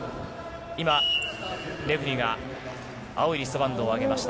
今、レフェリーが青いリストバンドを上げました。